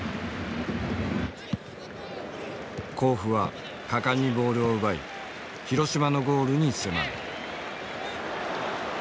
甲府は果敢にボールを奪い広島のゴールに迫る。